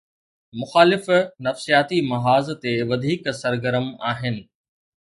مخالف نفسياتي محاذ تي وڌيڪ سرگرم آهن.